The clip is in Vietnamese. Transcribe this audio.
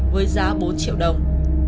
với giá bốn triệu đồng